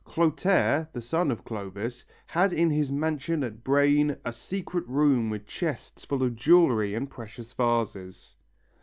Clotaire, the son of Clovis, had in his mansion at Braine a secret room with chests full of jewellery and precious vases.